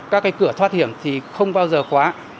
các cái cửa thoát hiểm thì không bao giờ khóa